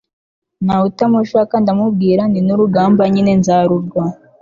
ntawutamushaka ndamubwira nti n'urugamba nyine nzarurwa